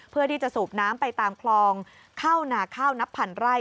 เพื่อที่จะสูบน้ำไปตามคลองเข้าหนาข้าวนับพันไร่